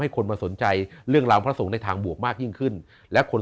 คนมาสนใจเรื่องราวพระสงฆ์ในทางบวกมากยิ่งขึ้นและคน